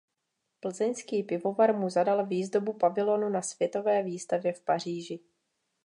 Plzeňský pivovar mu zadal výzdobu pavilonu na světové výstavě v Paříži.